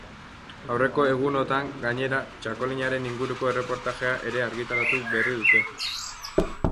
Aurreko egunotan, gainera, txakolinaren inguruko erreportajea ere argitaratu berri dute.